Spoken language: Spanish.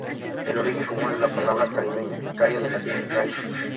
El origen común es la palabra caribeña "cayo" del latín "gaius".